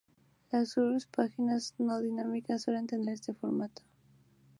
Las urls en las páginas no dinámicas suelen tener este formato.